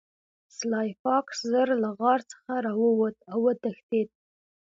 سلای فاکس ژر له غار څخه راووت او وتښتید